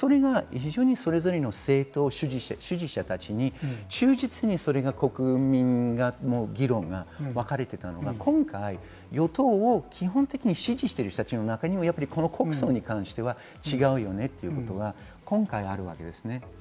それが非常にそれぞれの政党支持者たちに忠実に国民の議論がわかれていたのが、今回、与党を基本的に支持している人たちの中にも国葬に関しては違うよねということが今回あります。